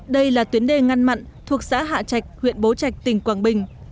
đây là tuyến đê ngăn mặn thuộc xã hạ trạch huyện bố trạch tỉnh quảng bình